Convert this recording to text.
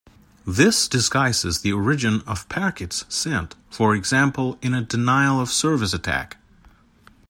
This disguises the origin of packets sent, for example in a denial-of-service attack.